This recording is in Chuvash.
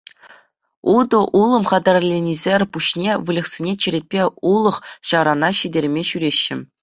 Утӑ-улӑм хатӗрленисӗр пуҫне выльӑхсене черетпе улӑх-ҫарана ҫитерме ҫӳреҫҫӗ.